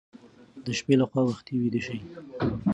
د شپې لخوا وختي ویده شئ.